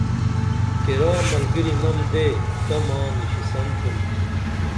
کیرا ملگِری نم دے تما نِشیسن تُھن